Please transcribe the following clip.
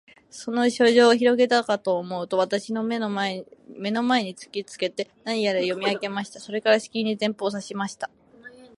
その書状をひろげたかとおもうと、私の眼の前に突きつけて、何やら読み上げました。それから、しきりに前方を指さしました。